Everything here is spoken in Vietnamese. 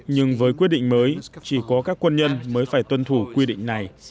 nhưng với quyết định mới chỉ có các quân nhân mới phải tuân thủ quy định này